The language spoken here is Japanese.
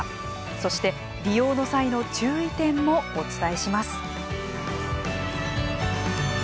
そして、利用の際の注意点もお伝えします。